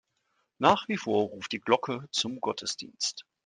Nach wie vor ruft die Glocke zum Gottesdienst.